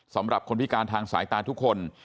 สำหรับคนพิการทางสายตาทุกคน